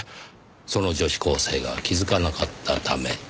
その女子高生が気づかなかったため。